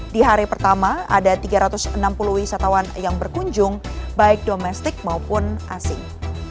di hari pertama ada tiga ratus enam puluh wisatawan yang berkunjung baik domestik maupun asing